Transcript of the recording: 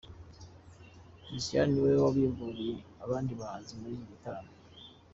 Christian ni we wabimburiye abandi bahanzi muri iki gitaramo.